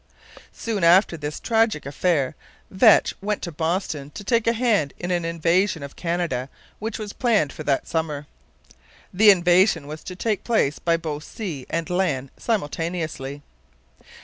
Soon after this tragic affair Vetch went to Boston to take a hand in an invasion of Canada which was planned for that summer. This invasion was to take place by both sea and land simultaneously.